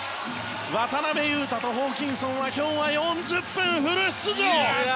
渡邊雄太とホーキンソンは今日は４０分フル出場！